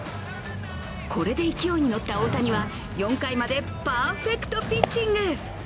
これで勢いに乗った大谷は４回までパーフェクトピッチング。